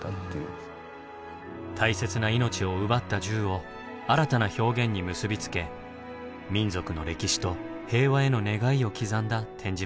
大切な命を奪った銃を新たな表現に結び付け民族の歴史と平和への願いを刻んだ展示物です。